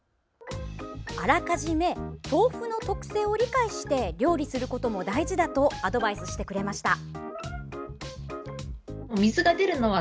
あらかじめ豆腐の特性を理解して料理することも大事だとアドバイスしてくれました。